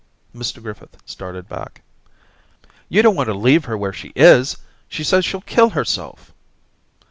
* Mr Griffith started back. • *You don't want to leave her where she is! She says she'll kill herself.'